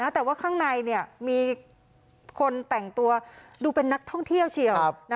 แต่ว่าข้างในมีคนแต่งตัวดูเป็นนักท่องเที่ยวเฉียว